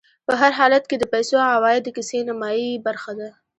په هر حالت کې د پیسو عوايد د کيسې نیمایي برخه ده